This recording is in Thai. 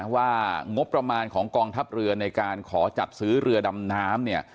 ว่างบประมาณของกองทัพเรือในการขอจัดซื้อเรือดำน้ำเนี่ย